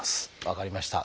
分かりました。